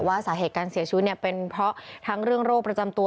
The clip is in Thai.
สาเหตุการเสียชีวิตเป็นเพราะทั้งเรื่องโรคประจำตัว